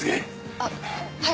あっはい。